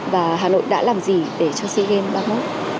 và hà nội đã làm gì để cho sea games ba mươi một